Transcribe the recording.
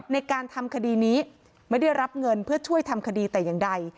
ในการทำคดีนี้ไม่ได้รับเงินเพื่อช่วยทำคดีแต่อย่างใด